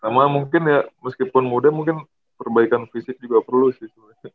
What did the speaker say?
sama mungkin ya meskipun muda mungkin perbaikan fisik juga perlu sih sebenarnya